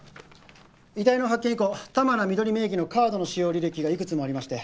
遺体の発見以降玉名翠名義のカードの使用履歴がいくつもありまして